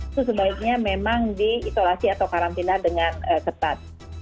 itu sebaiknya memang diisolasi atau karantina dengan ketat